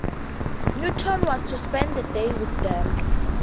Newton was to spend the day with them.